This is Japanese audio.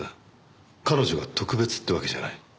彼女が特別ってわけじゃない。